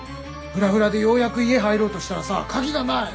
フラフラでようやく家入ろうとしたらさ鍵がない！